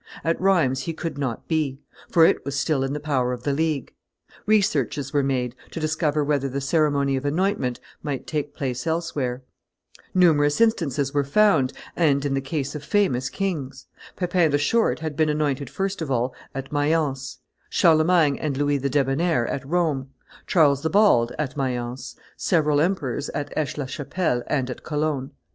At Rheims he could not be; for it was still in the power of the League. Researches were made, to discover whether the ceremony of anointment might take place elsewhere; numerous instances were found, and in the case of famous kings: Pepin the Short had been anointed first of all at Mayence, Charlemagne and Louis the Debonnair at Rome, Charles the Bald at Mayence, several emperors at Aix la Chapelle and at Cologne.